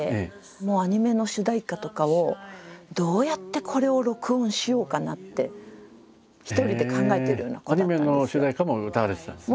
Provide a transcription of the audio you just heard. もうアニメの主題歌とかをどうやってこれを録音しようかなって一人で考えてるような子だったんです。